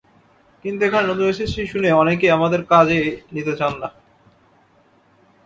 কিন্তু এখানে নতুন এসেছি শুনে অনেকেই আমাদের কাজে নিতে চান না।